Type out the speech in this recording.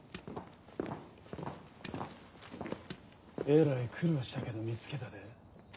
えらい苦労したけど見つけたで。